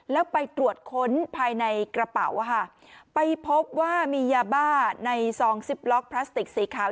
แล้วไปตรวจค้นภายในกระเป๋าไปพบว่ามียาบ้าในซองซิปล็อกพลาสติกสีขาว